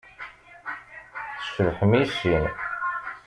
Tcebḥem i sin.